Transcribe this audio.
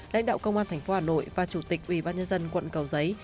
lãnh đạo công an tp hà nội và chủ tịch ubnd tp quận cầu giấy